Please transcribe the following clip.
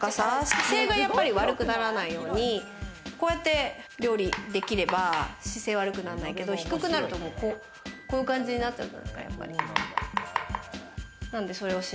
姿勢が悪くならないように、こうやって料理できれば姿勢悪くなんないけど、低くなると、こういう感じなっちゃうから。